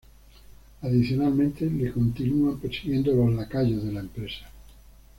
Adicionalmente le continúan persiguiendo los lacayos de la empresa.